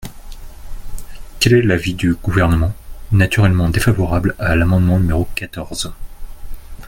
Quel est l’avis du Gouvernement ? Naturellement défavorable à l’amendement numéro quatorze.